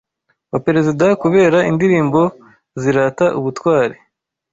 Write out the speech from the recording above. wa Perezida kubera indirimbo zirata ubutwari